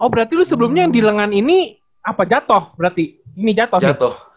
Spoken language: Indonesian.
oh berarti lu sebelumnya yang di lengan ini apa jatuh berarti ini jatuh